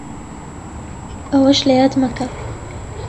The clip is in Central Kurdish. ئەوەش لەیاد مەکە